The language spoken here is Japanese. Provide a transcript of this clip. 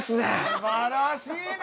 すばらしいな！